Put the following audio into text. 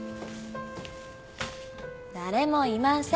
誰もいません。